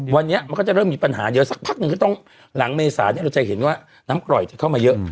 วันนี้มันก็จะเริ่มมีปัญหาเยอะสักพักหนึ่งก็ต้องหลังเมษาเนี่ยเราจะเห็นว่าน้ำกร่อยจะเข้ามาเยอะ